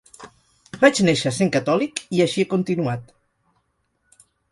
Vaig néixer sent catòlic i així he continuat.